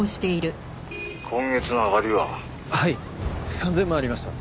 ３０００万ありました。